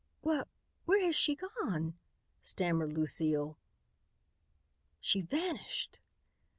"Wha where has she gone?" stammered Lucille. "She vanished!"